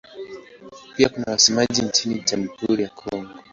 Pia kuna wasemaji nchini Jamhuri ya Kongo.